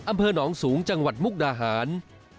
อำเภอหนองสูงจังหวัดมุกดาหาร